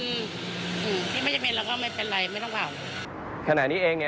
ที่ไม่จำเป็นแล้วก็ไม่เป็นไรไม่ต้องเผา